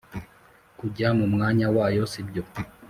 kujya mu mwanya wayo sibyo